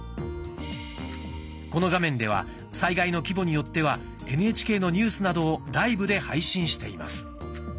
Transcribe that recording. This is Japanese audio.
この画面では災害の規模によってはＮＨＫのニュースなどをライブで配信しています。